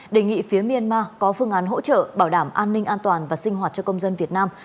đề nghị phía myanmar có phương án hỗ trợ bảo đảm an ninh an toàn và sinh hoạt cho công dân việt nam